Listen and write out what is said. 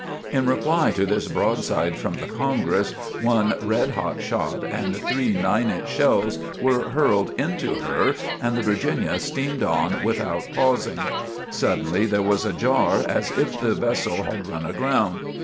In reply to this broadside from the "Congress" one red hot shot and three nine inch shells were hurled into her and the "Virginia" steamed on without pausing. Suddenly there was a jar as if the vessel had run aground.